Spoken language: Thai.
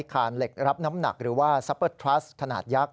คานเหล็กรับน้ำหนักหรือว่าซัปเปอร์ทรัสขนาดยักษ